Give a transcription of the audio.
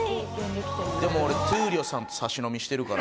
でも俺闘莉王さんとサシ飲みしてるから。